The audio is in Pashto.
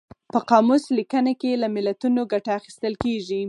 په قاموس لیکنه کې له متلونو ګټه اخیستل کیږي